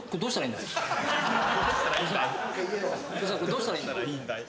どうしたらいいんだい？